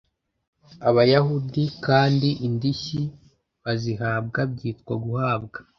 Abayahudi kandi indishyi bazihabwa byitwa guhabwa